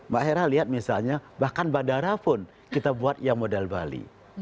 mbak hera lihat misalnya bahkan bandara pun kita buat yang modal bali